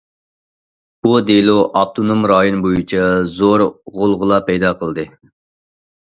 بۇ دېلو ئاپتونوم رايون بويىچە زور غۇلغۇلا پەيدا قىلدى.